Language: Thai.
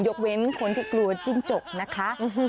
ยกเว้นคนที่กลัวจิ้งจกนะคะ